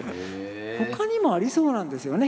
他にもありそうなんですよね。